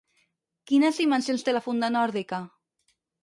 Quines dimensions té la funda nòrdica?